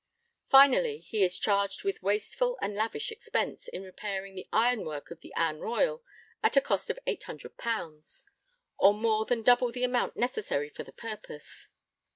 Finally he is charged with 'wasteful and lavish expense' in repairing the ironwork of the Anne Royal at a cost of 800_l._, or more than double the amount necessary for the purpose.